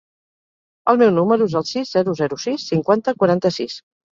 El meu número es el sis, zero, zero, sis, cinquanta, quaranta-sis.